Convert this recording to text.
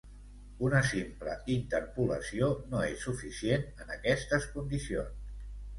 Una simple interpolació, no és suficient en aquestes condicions.